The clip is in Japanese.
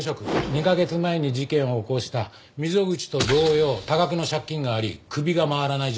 ２カ月前に事件を起こした溝口と同様多額の借金があり首が回らない状態でした。